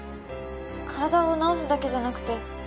体を治すだけじゃなくて